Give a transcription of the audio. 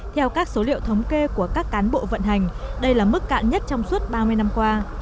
theo các số liệu thống kê của các cán bộ vận hành đây là mức cạn nhất trong suốt ba mươi năm qua